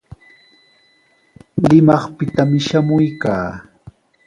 Limaqpitami shamuykaa.